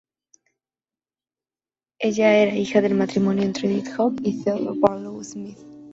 Ella era hija del matrimonio entre Edith Hogg y Theodore Barlow Smith.